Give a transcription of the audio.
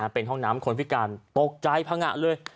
เป็นห้องน้ำคนพิการตกใจพังงะเลย